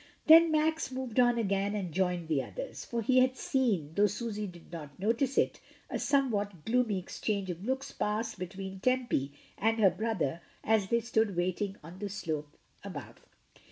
Then Max moved on again and joined the others, for he had seen, though Susy did not notice it, a somewhat gloomy exchange of looks pass between Tempy and her brother as they stood waiting on the slope above.